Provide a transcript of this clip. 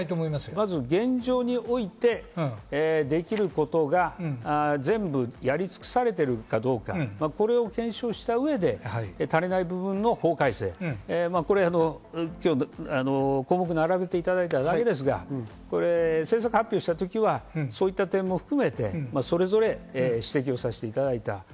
まず現状において、できることが全部やり尽くされているかどうか、これを検証した上で、足りない部分の法改正、今日は項目を並べていただいただけですが、そういった点も含めて、それぞれ指摘をさせていただいた。